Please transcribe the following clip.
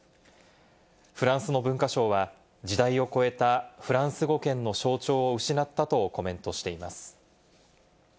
フランスの文科省は、時代を超えたフランス語圏の象徴を失ったとコメントしています。